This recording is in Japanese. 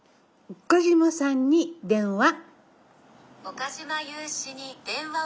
岡嶋さんに電話。